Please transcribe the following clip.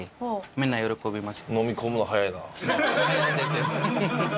みんな喜びます。